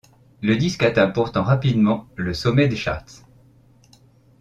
Le disque atteint pourtant rapidement le sommet des charts.